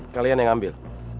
kalian yang ambil